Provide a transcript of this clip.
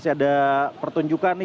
masih ada pertunjukan nih